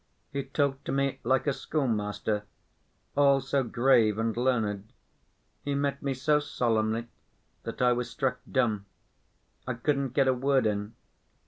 He talked to me like a schoolmaster, all so grave and learned; he met me so solemnly that I was struck dumb. I couldn't get a word in.